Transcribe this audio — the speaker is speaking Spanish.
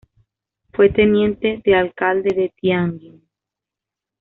Fue teniente de alcalde de Tianjin.